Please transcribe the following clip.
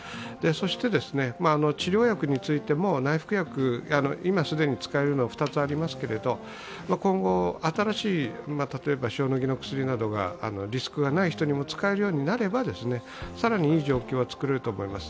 そして治療薬についても内服薬、今既に使えるものは２つありますが今後、新しい、例えば塩野義の薬などがリスクがない人にも使えるようになれば、更にいい状況が作れると思います。